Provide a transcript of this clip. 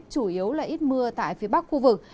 chủ yếu là ít mưa tại phía bắc khu vực